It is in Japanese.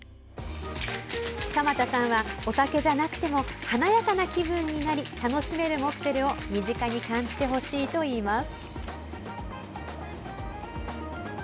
鎌田さんはお酒じゃなくても華やかな気分になり楽しめるモクテルを身近に感じてほしいといいます。